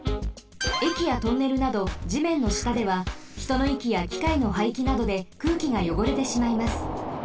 えきやトンネルなどじめんのしたではひとのいきやきかいのはいきなどで空気がよごれてしまいます。